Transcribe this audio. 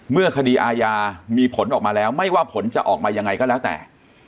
เมื่อคดีอาญามีผลออกมาแล้วไม่ว่าผลจะออกมายังไงก็แล้วแต่